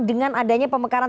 dengan adanya pemekaran